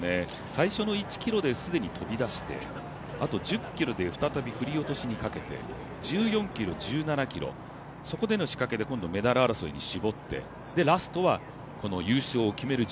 最初の１ｋｍですでに飛び出して１０ｋｍで再び振り落としにかけて１４ｋｍ、１７ｋｍ、そこからの仕掛けでメダル争いを競ってラストは優勝を決める